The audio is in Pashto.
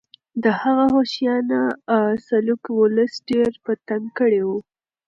د هغه وحشیانه سلوک ولس ډېر په تنګ کړی و.